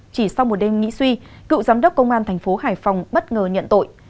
chỉ sau một đêm nghĩ suy cựu giám đốc công an thành phố hải phòng bất ngờ nhận tội